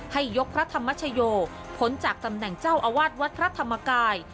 ให้ยกพระธรรมชโยพ้นจากตำแหน่งเจ้าอาวาสวัดพระธรรมกาย